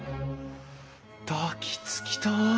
抱きつきたい！